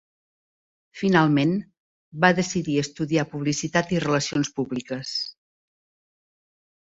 Finalment, va decidir estudiar Publicitat i Relacions Públiques.